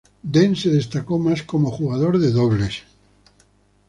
Dent se destacó más como jugador de dobles.